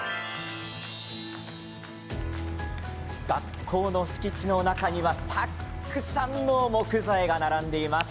学校の敷地の中にはたくさんの木材が並んでいます。